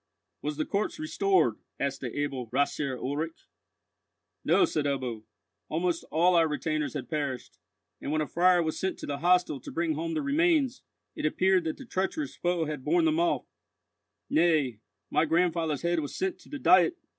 "Was the corpse restored?" asked the able Rathsherr Ulrich. "No," said Ebbo. "Almost all our retainers had perished, and when a friar was sent to the hostel to bring home the remains, it appeared that the treacherous foe had borne them off—nay, my grandfather's head was sent to the Diet!"